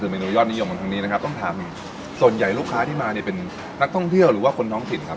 คือเมนูยอดนิยมของทางนี้นะครับต้องทำส่วนใหญ่ลูกค้าที่มาเนี่ยเป็นนักท่องเที่ยวหรือว่าคนท้องถิ่นครับ